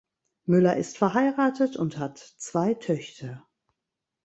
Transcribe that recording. Müller ist verheiratet und hat zwei Töchter.